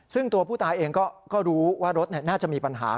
ซึ่งตัวผู้ตายเองก็รู้ว่ารถน่าจะมีปัญหา